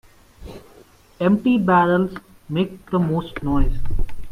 Empty barrels make the most noise.